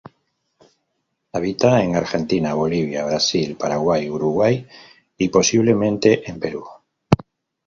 Habita en Argentina, Bolivia, Brasil, Paraguay, Uruguay y posiblemente en Perú.